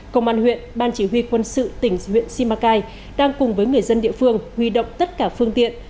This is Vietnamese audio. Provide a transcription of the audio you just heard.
công an huyện ban chỉ huy quân sự tỉnh huyện simacai đang cùng với người dân địa phương huy động tất cả phương tiện